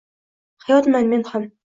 Hayotman men ham!